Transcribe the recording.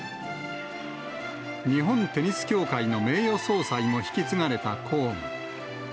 日本テニス協会の名誉総裁も引き継がれた公務。